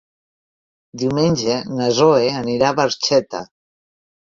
Diumenge na Zoè anirà a Barxeta.